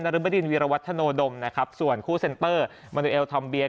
รบดินวิรวัฒโนดมนะครับส่วนคู่เซ็นเตอร์มาดูเอลทอมเบีย